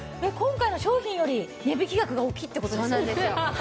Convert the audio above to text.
今回の商品より値引き額が大きいって事ですよ。